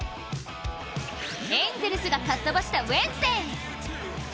エンゼルスがかっ飛ばしたウエンズデー。